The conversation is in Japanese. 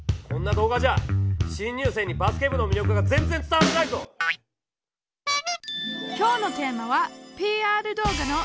こんな動画じゃあ新入生にバスケ部の魅力が全然伝わらないぞ！